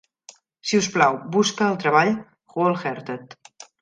Si us plau, busca el treball Wholehearted.